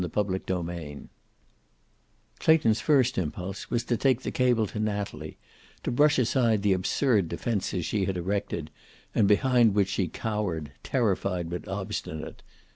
CHAPTER XLVIII Clayton's first impulse was to take the cable to Natalie, to brush aside the absurd defenses she had erected, and behind which she cowered, terrified but obstinate.